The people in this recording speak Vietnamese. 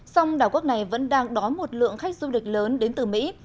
song đảo quốc này vẫn đang đói một lượng khách du lịch lớn đến từ mỹ